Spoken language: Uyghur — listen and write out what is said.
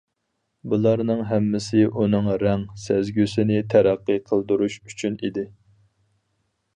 بۇلارنىڭ ھەممىسى ئۇنىڭ رەڭ سەزگۈسىنى تەرەققىي قىلدۇرۇش ئۈچۈن ئىدى.